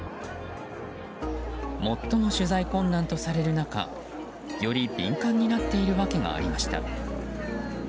最も取材困難とされる中より敏感になっている訳がありました。